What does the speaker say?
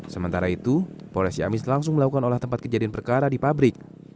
sementara itu polres ciamis langsung melakukan olah tempat kejadian perkara di pabrik